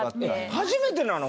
初めてなの？